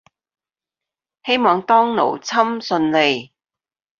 希望當勞侵順利